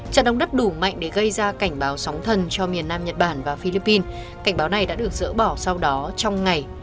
trận động đất đủ mạnh để gây ra cảnh báo sóng thần cho miền nam nhật bản và philippines cảnh báo này đã được dỡ bỏ sau đó trong ngày